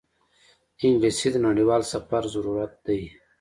انګلیسي د نړیوال سفر ضرورت دی